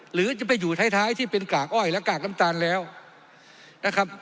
หรือจะไปอยู่ท้ายที่เป็นกากอ้อยและกากน้ำตาลแล้วนะครับ